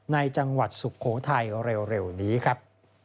จังหวัดสุโขทัยเร็วนี้ครับ